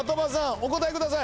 お答えください。